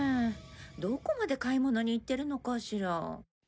どこまで買い物に行ってるのかしら？